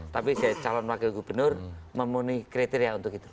tapi calon wakil gubernur memenuhi kriteria untuk itu